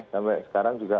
sampai sekarang juga